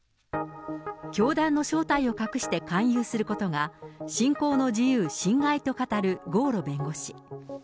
教団の正体を隠して勧誘することが、信仰の自由侵害と語る郷路弁護士。